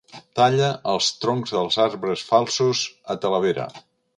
Talla els troncs dels arbres falsos a Talavera.